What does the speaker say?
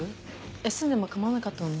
休んでも構わなかったのに。